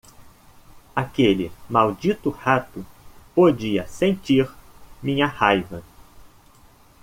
Aquele maldito rato podia sentir minha raiva.